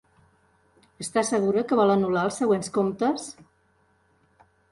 Esta segura que vol anul·lar els següents comptes?